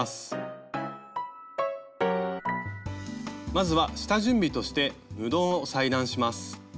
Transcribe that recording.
まずは下準備として布を裁断します。